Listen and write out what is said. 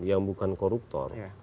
yang bukan koruptor